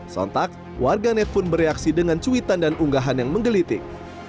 sontak warganet pun bereaksi dengan cuitan dan unggahan yang menggelitik